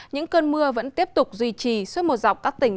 những cơn mưa vẫn tiếp tục duy trì suốt một dọc các tỉnh